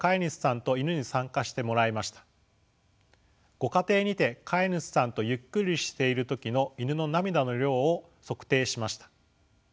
ご家庭にて飼い主さんとゆっくりしている時の犬の涙の量を測定しました。